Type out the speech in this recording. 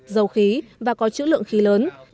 dầu khí và có chữ lượng khí lớn